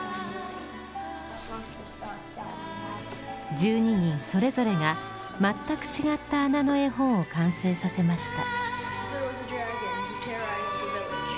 １２人それぞれが全く違った穴の絵本を完成させました。